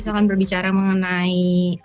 misalkan berbicara mengenai